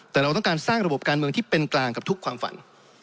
แต่เราต้องการสร้างระบบการเมืองที่เป็นกลางกับทุกความฝัน